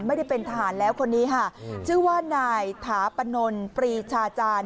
ไม่ได้เป็นทหารแล้วคนนี้ค่ะชื่อว่านายถาปนนปรีชาจารย์